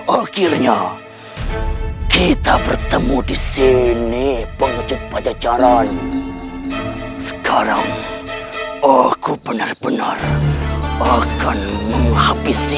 akhirnya kita bertemu di sini pengecut pajajaran sekarang aku benar benar akan menghabisi